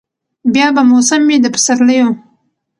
بیا به موسم وي د پسرلیو